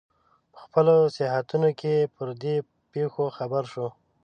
په خپلو سیاحتونو کې پر دې پېښو خبر شو.